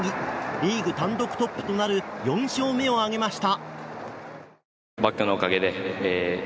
リーグ単独トップとなる４勝目を挙げました。